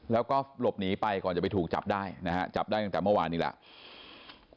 แล้วก็หลบหนีไปก่อนจะไปถูกจับได้นะฮะจับได้ตั้งแต่เมื่อวานนี้แล้ว